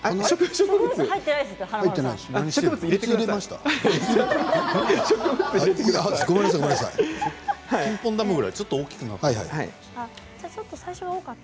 ピンポン玉ぐらいちょっと大きくなっちゃった。